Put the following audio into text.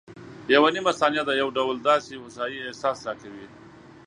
یوه نیمه ثانیه د یو ډول داسې هوسایي احساس راکوي.